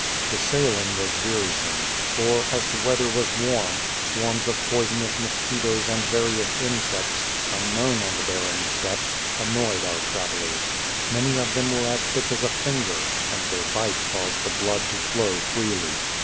The sailing was wearisome, for, as the weather was warm, swarms of poisonous mosquitoes and various insects, un known on the barren steppes, annoyed our travellers. Many of them were as thick as a finger, and their bite caused the blood to flow freely.